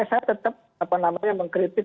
saya tetap apa namanya mengkritik